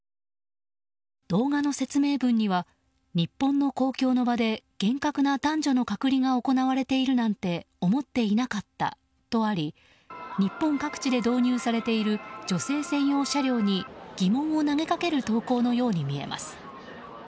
動画の説明文には日本の公共の場で厳格な男女の隔離が行われているなんて思っていなかったとあり日本各地で導入されている女性専用車両に疑問を投げかける投稿のように見えます。